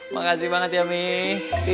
makasih banget ya mi